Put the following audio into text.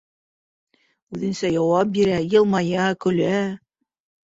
Үҙенсә яуап бирә, йылмая-көлә.